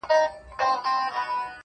نعمتونه انعامونه درکومه!!